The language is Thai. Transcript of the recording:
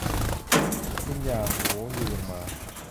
กินอย่างหมู อยู่อย่างหมา